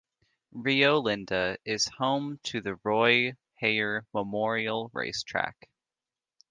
Rio Linda is home to the Roy Hayer Memorial Race Track.